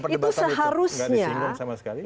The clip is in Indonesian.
itu dijawab nggak dalam perdebatan itu